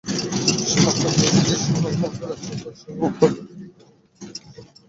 সীমান্তবর্তী শহর মংডুর আশপাশে অন্তত দুটি গ্রামে শুক্রবার সন্ধ্যার পরও হামলা হয়েছে।